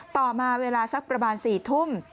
ต่อมาเวลาสักประมาณ๔ทุ่ม